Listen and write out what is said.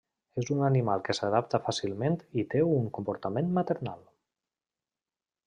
És un animal que s'adapta fàcilment i té un comportament maternal.